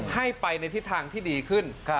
ให้ไปในทิศทางที่ดีขึ้น